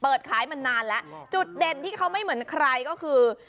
ขายมานานแล้วจุดเด่นที่เขาไม่เหมือนใครก็คือ